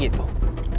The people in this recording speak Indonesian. ini adalah salah satu